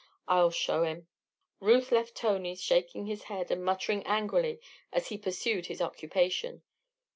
I'll show him!" Ruth left Tony shaking his head and muttering angrily as he pursued his occupation.